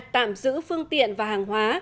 tạm giữ phương tiện và hàng hóa